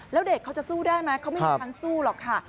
แล้วเด็กเขาจะสู้ได้ไหมเขาไม่มีทางสู้หรอกค่ะ